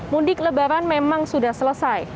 mudik lebaran memang sudah selesai